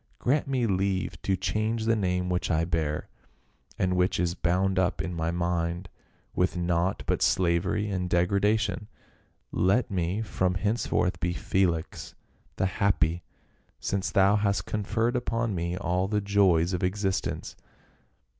" Grant me leave to change the name which I bear, and which is bound up in my mind with naught but slavery and degradation. Let me from henceforth be Felix, the happy, since thou hast conferred upon me all the joys of existence."